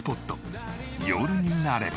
夜になれば。